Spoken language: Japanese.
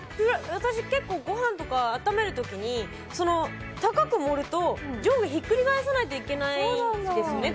私、結構、ご飯とか温める時高く盛ると上下をひっくり返さないとなんですよね。